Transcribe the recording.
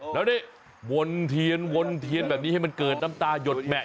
แล้วนี่วนเทียนแบบนี้ให้มันเกิดน้ำตาหยดแมะ